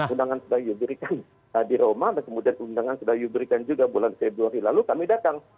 undangan sudah yuberikan di roma dan kemudian undangan sudah yu berikan juga bulan februari lalu kami datang